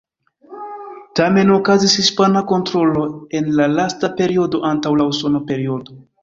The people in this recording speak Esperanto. Tamen okazis hispana kontrolo en la lasta periodo antaŭ la usona periodo.